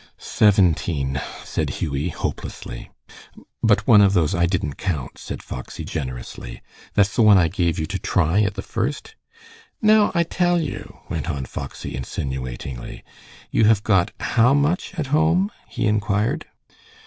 "Seventeen," said Hughie, hopelessly. "But one of those I didn't count," said Foxy, generously. "That's the one I gave you to try at the first. Now, I tell you," went on Foxy, insinuatingly, "you have got how much at home?" he inquired.